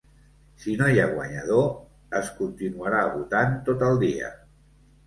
Si no hi ha guanyador, es continuarà votant tot el dia.